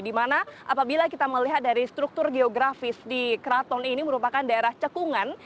dimana apabila kita melihat dari struktur geografis di keraton ini merupakan daerah cekungan